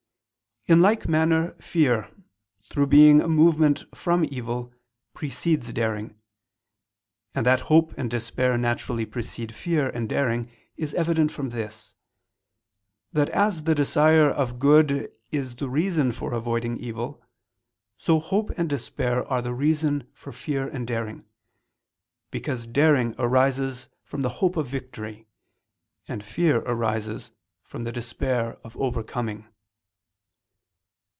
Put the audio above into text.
In like manner fear, through being a movement from evil, precedes daring. And that hope and despair naturally precede fear and daring is evident from this that as the desire of good is the reason for avoiding evil, so hope and despair are the reason for fear and daring: because daring arises from the hope of victory, and fear arises from the despair of overcoming.